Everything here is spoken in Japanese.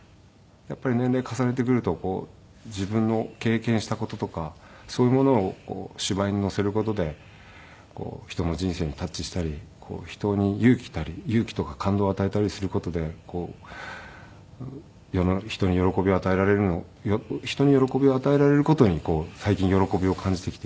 やっぱり年齢重ねてくると自分の経験した事とかそういうものを芝居に乗せる事で人の人生にタッチしたり人に勇気とか感動を与えたりする事で世の人に喜びを与えられる人に喜びを与えられる事に最近喜びを感じてきて。